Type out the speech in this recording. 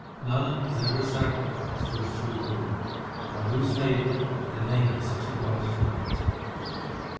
Nanak is ever a sacrifice to his true Guru, By whose favour the name of such a God is repeated.